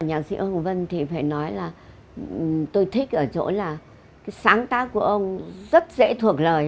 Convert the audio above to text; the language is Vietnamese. nhạc sĩ hồng vân thì phải nói là tôi thích ở chỗ là cái sáng tác của ông rất dễ thuộc lời